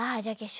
ああ